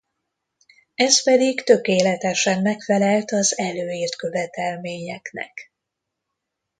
Ez pedig tökéletesen megfelelt az előírt követelményeknek.